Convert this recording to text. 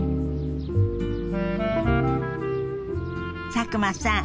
佐久間さん